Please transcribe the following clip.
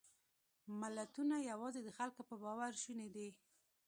ملتونه یواځې د خلکو په باور شوني دي.